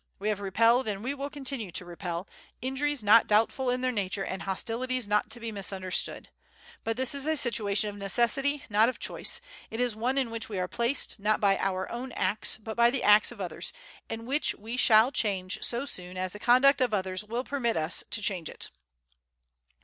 We have repelled, and we will continue to repel, injuries not doubtful in their nature and hostilities not to be misunderstood. But this is a situation of necessity, not of choice. It is one in which we are placed, not by our own acts, but by the acts of others, and which we [shall] change so soon as the conduct of others will permit us to change it."